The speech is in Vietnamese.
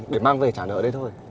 để mang về trả nợ đây thôi